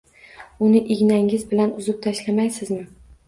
Uni ignangiz bilan uzib tashlamaysizmi?